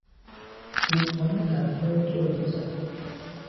رودخانه تپه را دور میزند.